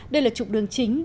đây là trụng đường chính